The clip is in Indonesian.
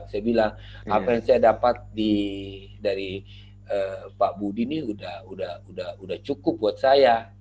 saya bilang apa yang saya dapat dari pak budi ini sudah cukup buat saya